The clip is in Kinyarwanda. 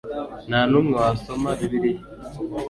nta n'umwe wasoma bibiliya